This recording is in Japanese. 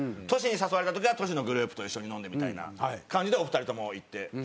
トシに誘われた時はトシのグループと一緒に飲んでみたいな感じでお二人とも行って。